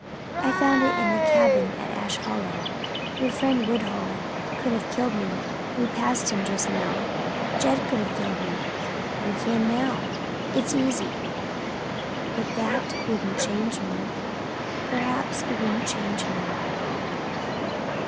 I found it in the cabin at Ash Hollow. Your friend Woodhull could have killed me we passed him just now. Jed could have killed me you can now; it's easy. But that wouldn't change me. Perhaps it wouldn't change her."